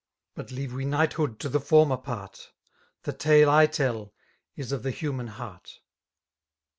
But leave we knighthood to the former part^ The tale I teU is of the human heart.